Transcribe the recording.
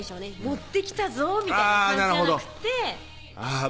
「持ってきたぞ」みたいな感じじゃなくてあぁ